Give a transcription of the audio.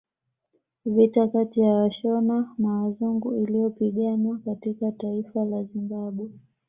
Vita kati ya Washona na wazungu iliyopiganwa katika taifa la Zimbabwe